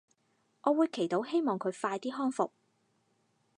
我會祈禱希望佢快啲康復